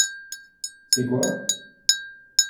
C’est quoi ?